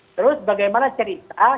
terus bagaimana cerita